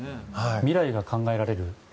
未来が考えられる。